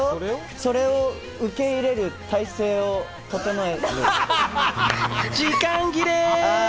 それを受け入れる態勢を整え時間切れ！